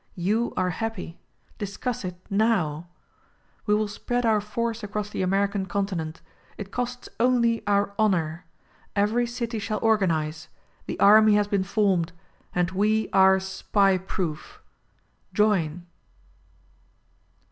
You, are happy. Discuss it — NOWM We will spread our force across the American continent. It costs only our honor. Every city shall organize ; the army has been formed ; and we are Spy proof ! Join.